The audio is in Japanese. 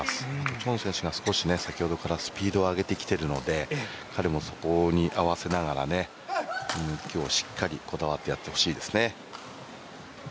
チョン選手が少し、先ほどからスピードを上げてきているので彼もそこに合わせながら今日、しっかりこだわってやってほしいですね。